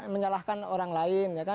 menyalahkan orang lain